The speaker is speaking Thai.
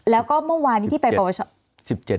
แล้วก็เมื่อวานที่ไปประประชอ